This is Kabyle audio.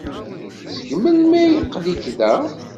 Seg melmi ay aql-ik da?